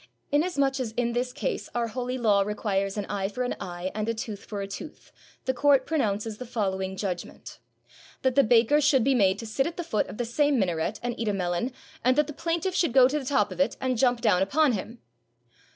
Inasmuch as in this case our holy law requires an eye for an eye, and a tooth for a tooth, the court pronounces the following judgment: That the baker should be made to sit at the foot of the same minaret and eat a melon, and that the plaintiff should go to the top of it and jump down upon him."